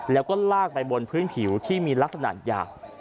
แล้วก็ลากไปบนพื้นผิวที่มีลักษณะยาว